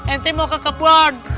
ente mau ke kebun